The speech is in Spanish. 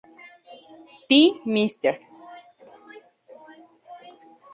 Tee, Mr.